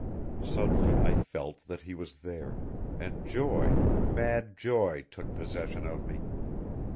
Suddenly I felt that he was there, and joy, mad joy, took possession of me.